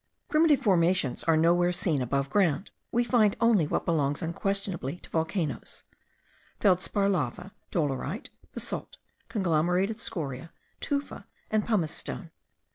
Primitive formations are nowhere seen above ground; we find only what belongs unquestionably to volcanoes: feldspar lava, dolerite, basalt, conglomerated scoriae, tufa, and pumice stone.